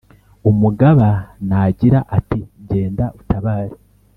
Umugaba nagira ati: "Genda utabare,"